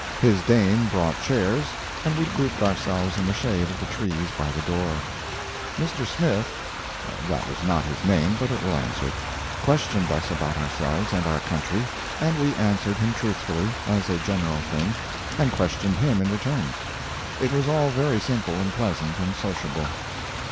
His dame brought chairs, and we grouped ourselves in the shade of the trees by the door. Mr. Smith that was not his name, but it will answer questioned us about ourselves and our country, and we answered him truthfully, as a general thing, and questioned him in return. It was all very simple and pleasant and sociable.